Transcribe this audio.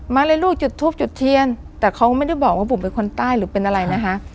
มาเลยลูกจุดทูปจุดเทียนแต่เขาไม่ได้บอกว่าบุ๋มเป็นคนใต้หรือเป็นอะไรนะคะ